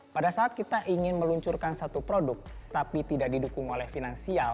pada saat kita ingin meluncurkan satu produk tapi tidak didukung oleh finansial